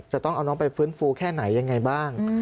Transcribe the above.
จะต้องเอาน้องไปฟื้นฟูแค่ไหนยังไงบ้าง